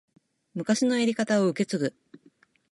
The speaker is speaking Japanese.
昔のやり方を受け継ぐ